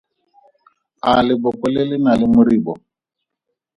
A leboko le le na le moribo?